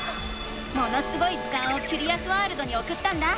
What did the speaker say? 「ものすごい図鑑」をキュリアスワールドにおくったんだ。